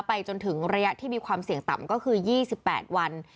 จนถึงระยะที่มีความเสี่ยงต่ำก็คือ๒๘วัน